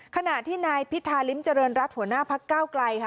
ขณะที่นายพิธาลิ้มเจริญรัฐหัวหน้าภักดิ์ก้าวไกล